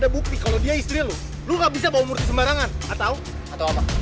bukti kalau dia istri lu lu nggak bisa mau sembarangan atau atau apa